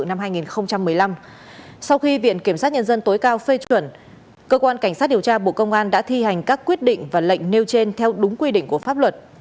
sau năm hai nghìn một mươi năm sau khi viện kiểm sát nhân dân tối cao phê chuẩn cơ quan cảnh sát điều tra bộ công an đã thi hành các quyết định và lệnh nêu trên theo đúng quy định của pháp luật